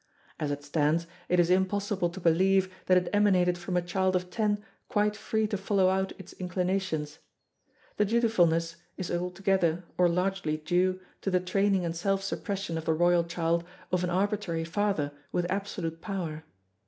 As it stands, it is impossible to believe that it emanated from a child of ten quite free to follow out its inclinations. The dutifulness is altogether, or largely, due to the training and self suppression of the royal child of an arbitrary father with absolute power.